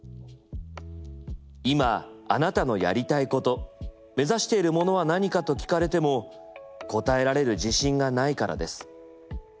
今あなたのやりたいこと目指しているものは何かと聞かれても答えられる自信がないからです。